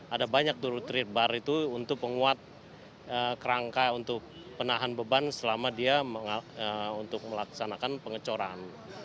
ada banyak dulu triat bar itu untuk penguat kerangka untuk penahan beban selama dia untuk melaksanakan pengecoran